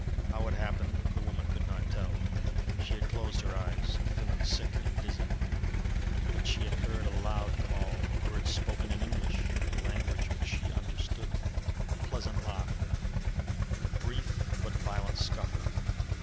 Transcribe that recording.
How it happened the woman could not tell. She had closed her eyes, feeling sick and dizzy; but she had heard a loud call, words spoken in English (a language which she understood), a pleasant laugh, and a brief but violent scuffle.